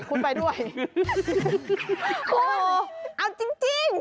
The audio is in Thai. โฮบเอาจริง